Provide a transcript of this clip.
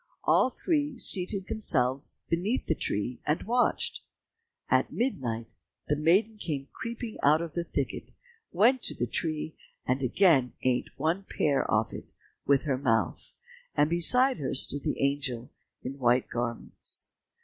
All three seated themselves beneath the tree and watched. At midnight the maiden came creeping out of the thicket, went to the tree, and again ate one pear off it with her mouth, and beside her stood the angel in white garments.